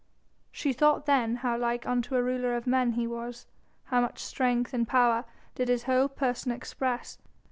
She thought then how like unto a ruler of men he was, how much strength and power did his whole person express.